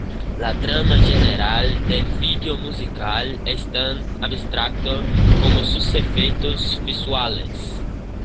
La trama general del video musical es tan abstracto como sus efectos visuales.